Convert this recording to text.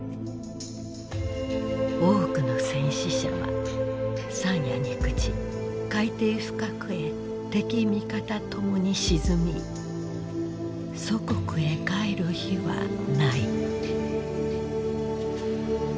多くの戦死者は山野に朽ち海底深くへ敵味方ともに沈み祖国へ還る日はない」。